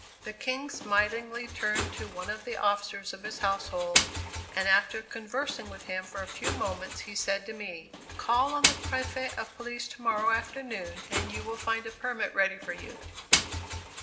The King smilingly turned to one of the officers of his household and after conversing with him for a few moments he said to me: "Call on the Prefect of Police to morrow afternoon and you will find a permit ready for you."